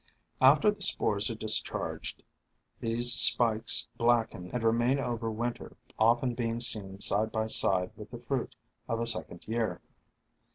After the spores are discharged, these spikes blacken and remain over Winter, often being seen side by side with the fruit of a second year.